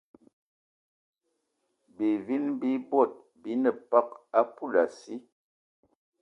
Bivini bi bot bi ne peg a poulassi